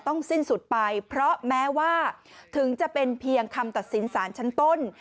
สิ้นสุดไปเพราะแม้ว่าถึงจะเป็นเพียงคำตัดสินสารชั้นต้น